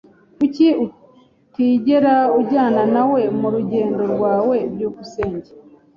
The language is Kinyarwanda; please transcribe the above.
Kuki utigera unjyana nawe murugendo rwawe? byukusenge